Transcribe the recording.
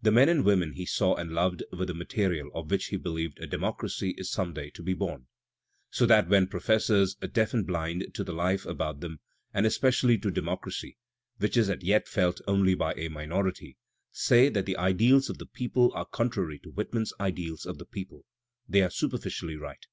The men and women he saw and loved were the material of which he believed a democracy Is some day to be bom. So that when professors, deaf and blind to the life about them and especially to "democracy," which is as yet felt only by a minority, say that the ideals of the people are con trary to Whitman's ideals of the people, they are super \ ficially right.